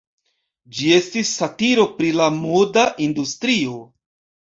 Ĝi estis satiro pri la moda industrio.